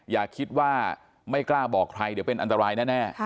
อย่าคิดว่าไม่กล้าบอกใครเดี๋ยวเป็นอันตรายแน่